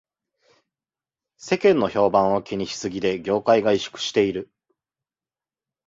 世間の評判を気にしすぎで業界が萎縮している